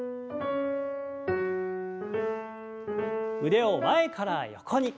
腕を前から横に。